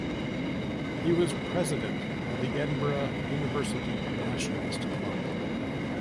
He was President of the Edinburgh University Nationalist Club.